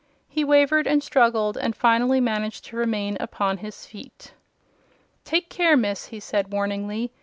He wavered and struggled and finally managed to remain upon his feet. "Take care, Miss!" he said, warningly.